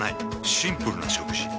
シンプルな食事。